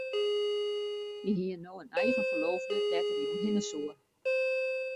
Hy hie no in eigen ferloofde dêr't er jûn hinne soe.